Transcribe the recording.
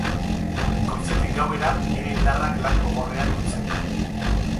Goizetik gauera, nire indarrak lan gogorrean urtzen.